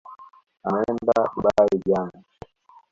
Ameenda dubai jana.